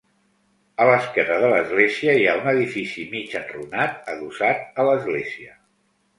A l'esquerra de l'església hi ha un edifici mig enrunat adossat a l'església.